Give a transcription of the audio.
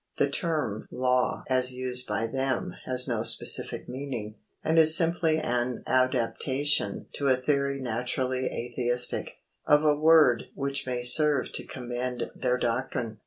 The term "law" as used by them has no specific meaning, and is simply an adaptation, to a theory naturally atheistic, of a word which may serve to commend their doctrine.